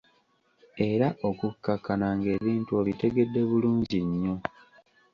Era okukkakana ng'ebintu obitegedde bulungi nnyo.